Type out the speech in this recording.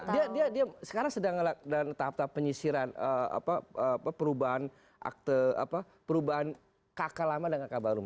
dia sekarang sedang dalam tahap tahap penyisiran perubahan akte perubahan kakak lama dengan kakak baru